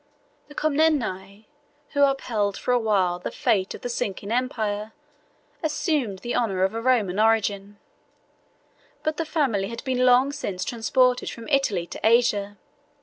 The Comneni, who upheld for a while the fate of the sinking empire, assumed the honor of a Roman origin: but the family had been long since transported from Italy to Asia.